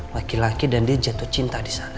laki laki dan dia jatuh cinta disana